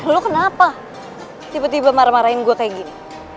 lu kenapa tiba tiba marah marahin gua kaya gini